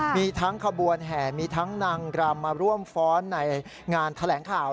มีทั้งขบวนแห่มีทั้งนางรำมาร่วมฟ้อนในงานแถลงข่าว